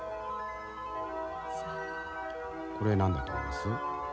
これ何だと思います？